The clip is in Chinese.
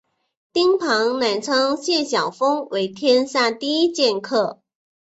丁鹏仍称谢晓峰为天下第一剑客。